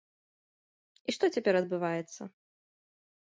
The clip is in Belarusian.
І што цяпер адбываецца?